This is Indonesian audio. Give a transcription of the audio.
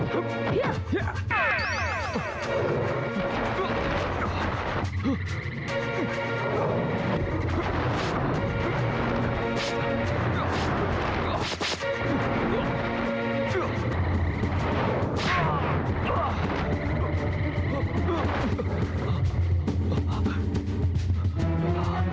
ternyata kau juga monster